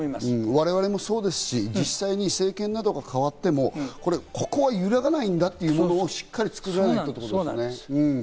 我々もそうですし、実際に政権などが変わってもここは揺らがないんだというものをしっかり作るということですね。